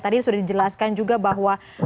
tadi sudah dijelaskan juga bahwa